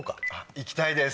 行きたいです。